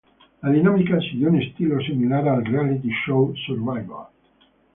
La dinámica siguió un estilo similar al reality show "Survivor".